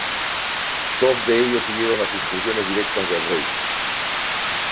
Dos de ellos siguieron las instrucciones directas del rey.